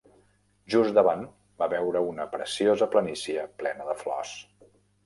Just davant va veure una preciosa planícia plena de flors.